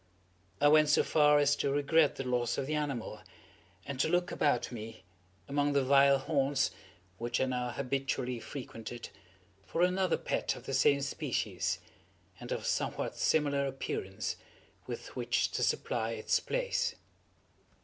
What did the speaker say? I went so far as to regret the loss of the animal, and to look about me, among the vile haunts which I now habitually frequented, for another pet of the same species, and of somewhat similar appearance, with which to supply its place.